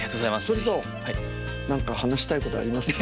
それと何か話したいことありますか？